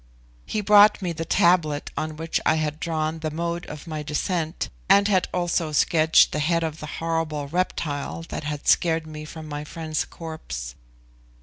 He brought me the tablet on which I had drawn the mode of my descent, and had also sketched the head of the horrible reptile that had scared me from my friend's corpse.